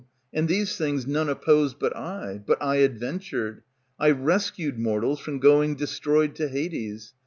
And these things none opposed but I, But I adventured; I rescued mortals From going destroyed to Hades.